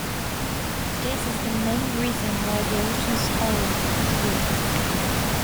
This is the main reason why the ocean's color is blue.